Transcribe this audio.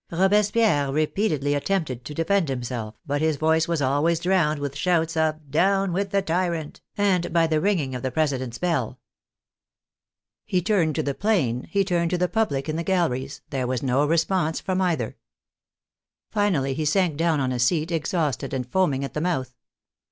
Robespierre repeatedly attempted to defend himself, but his voice was always drowned with shouts of " Down with the tyrant !" and by the ringing of the President's bell. He turned to the " Plain," he turned to the public in the galleries, there was no response from either. Finally he sank down on a seat, exhausted, and foaming at the mouth.